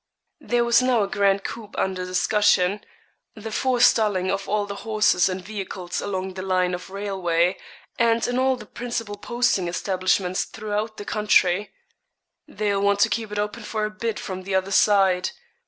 There was now a grand coup under discussion the forestalling of all the horses and vehicles along the line of railway, and in all the principal posting establishments throughout the county. 'They'll want to keep it open for a bid from the other side.